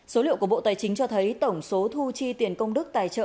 số liệu của bộ tài chính cho thấy tổng số thu chi tiền công đức tài trợ